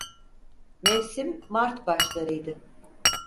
Mevsim mart başlarıydı.